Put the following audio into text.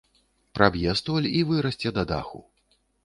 Праб'е столь і вырасце да даху.